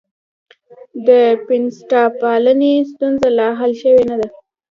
د بنسټپالنې ستونزه لا حل شوې نه ده.